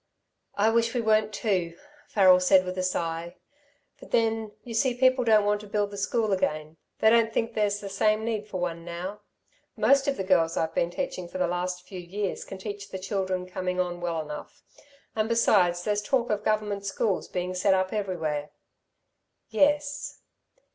"I wish we weren't too," Farrel said with a sigh, "but then you see people don't want to build the school again. They don't think there's the same need for one now. Most of the girls I've been teaching for the last few years can teach the children coming on well enough. And besides, there's talk of Government schools being set up everywhere." "Yes."